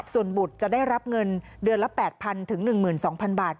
ส่วนบุตรจะได้รับเงินเดือนละ๘๐๐๑๒๐๐บาท